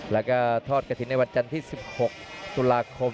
แล้วก็ทอดกระถิ่นในวันจันทร์ที่๑๖ตุลาคม